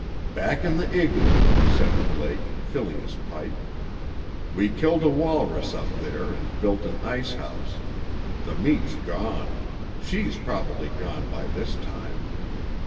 "Back in the igloo," said Blake, filling his pipe. "We killed a walrus up there and built an icehouse. The meat's gone. She's probably gone by this time."